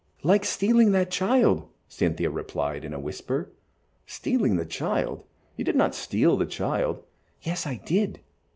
"Like stealing that child," Cynthia replied, in a whisper. "Stealing the child? You did not steal the child." "Yes, I did."